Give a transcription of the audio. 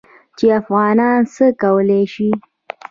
چې افغانان څه کولی شي.